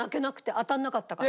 当たらなかったから。